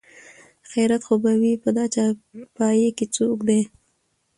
خېرت خو به وي په دا چارپايي کې څوک دي?